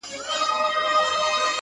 • سم داسي ښكاري راته ـ